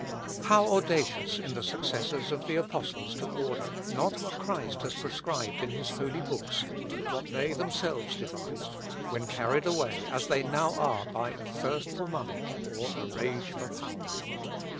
How audacious in the successors of the apostles to order, not what Christ has prescribed in his holy books, but what they themselves devised, when carried away, as they now are, by a thirst for money, or a rage for power.